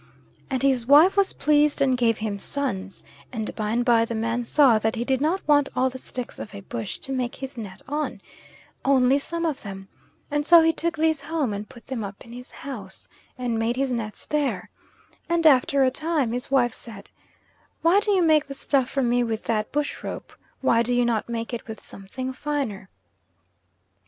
And his wife was pleased and gave him sons, and by and by the man saw that he did not want all the sticks of a bush to make his net on, only some of them; and so he took these home and put them up in his house, and made his nets there, and after a time his wife said: "Why do you make the stuff for me with that bush rope? Why do you not make it with something finer?"